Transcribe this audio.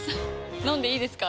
飲んでいいですか？